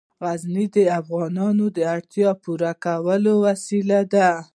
غزني د افغانانو د اړتیاوو د پوره کولو وسیله ده.